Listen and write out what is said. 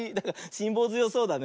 しんぼうづよそうだね。